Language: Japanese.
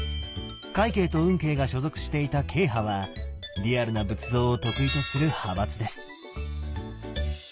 快慶と運慶が所属していた「慶派」はリアルな仏像を得意とする派閥です。